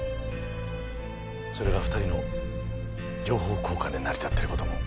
それが２人の情報交換で成り立ってる事も知ってる。